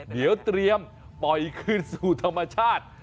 เดี๋ยวเตรียมปล่อยคืนสู่ธรรมชาติ